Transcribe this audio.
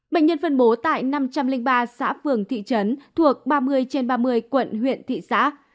bệnh nhân phân bố tại năm trăm linh ba xã phường thị trấn thuộc ba mươi trên ba mươi quận huyện thị xã